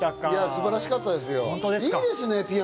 素晴らしかったですよ。